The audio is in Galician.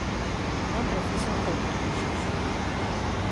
Non preciso outros luxos.